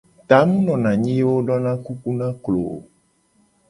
Ta mu nona anyi ye wo dona kuku na klo o.